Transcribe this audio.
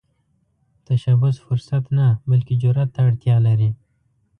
تشبث فرصت نه، بلکې جرئت ته اړتیا لري